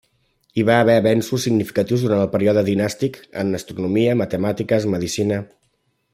Hi va haver avenços significatius durant el període dinàstic en astronomia, matemàtiques, medicina.